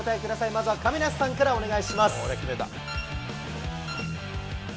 まずは亀梨さんからお願いします。